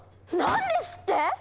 何ですって！